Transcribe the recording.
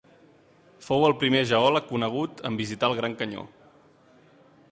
Fou el primer geòleg conegut en visitar el Gran Canyó.